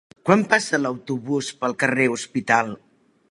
Quan passa l'autobús pel carrer Hospital?